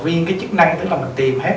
còn nguyên chức năng tìm hết